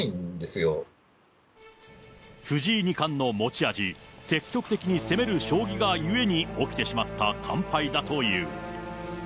藤井二冠の持ち味、積極的に攻める将棋がゆえに起きてしまった完敗だという。